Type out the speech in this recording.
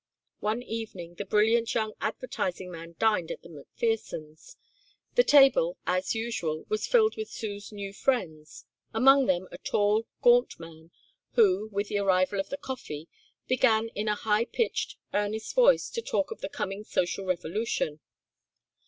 One evening the brilliant young advertising man dined at the McPhersons'. The table, as usual, was filled with Sue's new friends, among them a tall, gaunt man who, with the arrival of the coffee, began in a high pitched, earnest voice to talk of the coming social revolution.